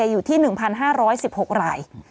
อยู่ที่๑๕๑๖ราย